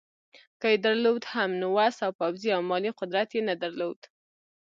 که یې درلود هم نو وس او پوځي او مالي قدرت یې نه درلود.